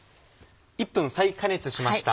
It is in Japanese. １分再加熱しました。